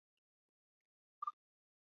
她也成为中国历史上第一位女性律师。